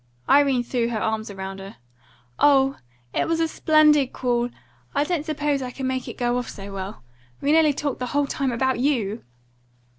Irene threw her arms round her. "Oh, it was a SPLENDID call! I didn't suppose I could make it go off so well. We talked nearly the whole time about you!"